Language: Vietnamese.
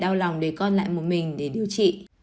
đau lòng để con lại một mình để điều trị